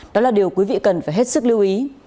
đó là điều quý vị cần phải hết sức lưu ý